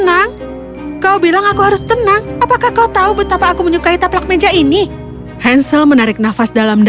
aku akan mulai mandi